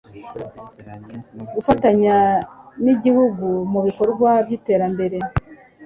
gufatanya n igihugu mu bikorwa by iterambere